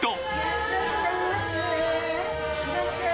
いらっしゃいませ。